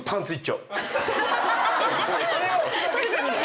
それはふざけてるの？